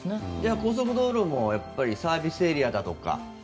高速道路もサービスエリアだとか。